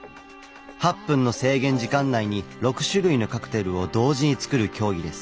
８分の制限時間内に６種類のカクテルを同時に作る競技です。